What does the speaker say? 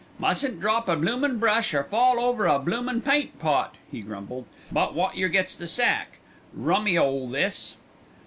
"Mustn't drop a bloomin' brush, or fall over a bloomin' paint pot," he grumbled, "but wot yer gets the sack. Rummy 'ole, this."